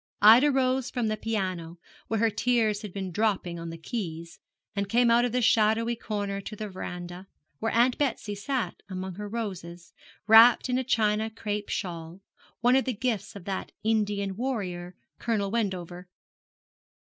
Ida rose from the piano, where her tears had been dropping on the keys, and came out of the shadowy corner to the verandah, where Aunt Betsy sat among her roses, wrapped in a China crape shawl, one of the gifts of that Indian warrior, Colonel Wendover.